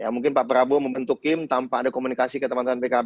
mungkin pak prabowo membentuk kim tanpa ada komunikasi ke teman teman pkb